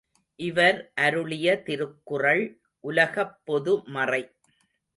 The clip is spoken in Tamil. இவர் அருளிய திருக்குறள் உலகப் பொதுமறை.